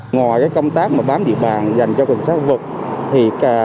ngoài công tác bám địa bàn dành cho công an phường